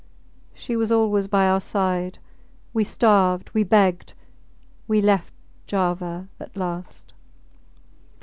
She was always by our side. ... We starved. We begged. We left Java at last.